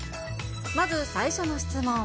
まず、最初の質問。